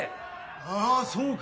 ああそうか。